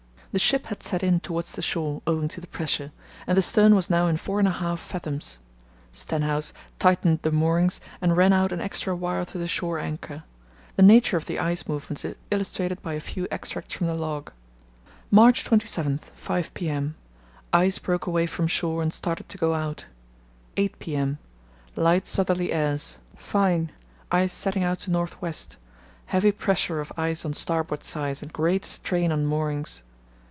The ship had set in towards the shore, owing to the pressure, and the stern was now in four and a half fathoms. Stenhouse tightened the moorings and ran out an extra wire to the shore anchor. The nature of the ice movements is illustrated by a few extracts from the log: "March 27, 5 p.m.—Ice broke away from shore and started to go out. 8 p.m.—Light southerly airs; fine; ice setting out to north west; heavy pressure of ice on starboard side and great strain on moorings.